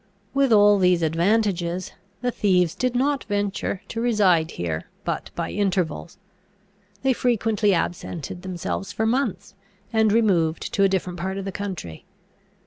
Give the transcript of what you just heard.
With all these advantages, the thieves did not venture to reside here but by intervals: they frequently absented themselves for months, and removed to a different part of the country.